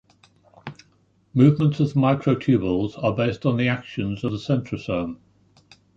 Movements of the microtubules are based on the actions of the centrosome.